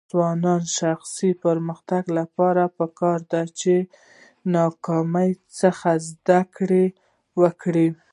د ځوانانو د شخصي پرمختګ لپاره پکار ده چې ناکامۍ څخه زده کړه وکړي.